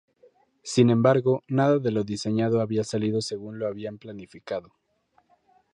Sin embargo, nada de lo diseñado había salido según lo habían planificado.